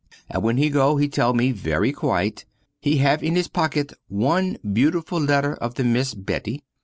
And when he go, he tell me, very quiet, he have in his pocket one beautiful letter of the miss Betty.